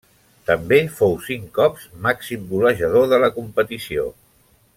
També fou cinc cops màxim golejador de la competició.